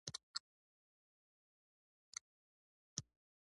کروندگر تل ستړي وي.